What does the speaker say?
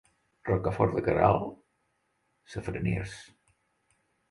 Rocafort de Queralt, safraners.